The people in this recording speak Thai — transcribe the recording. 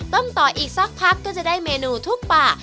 ต่ออีกสักพักก็จะได้เมนูทุบป่า